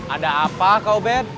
ada apa kak obed